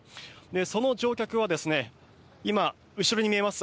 その乗客は今、後ろに見えます